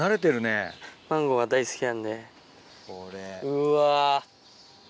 うわ。